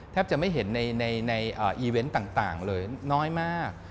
แทบจะไม่เห็นในอีเวนต์ต่างเลยน้อยมาก